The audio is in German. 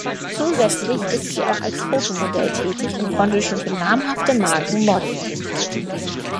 Zusätzlich ist sie auch als Fotomodel tätig und konnte schon für namhafte Marken modeln.